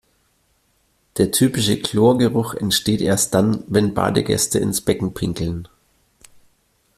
Der typische Chlorgeruch entsteht erst dann, wenn Badegäste ins Becken pinkeln.